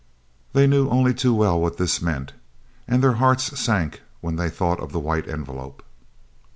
They knew only too well what this meant! And their hearts sank when they thought of the White Envelope!